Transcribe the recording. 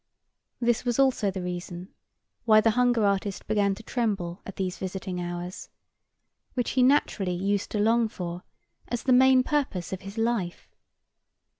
This was also the reason why the hunger artist began to tremble at these visiting hours, which he naturally used to long for as the main purpose of his life.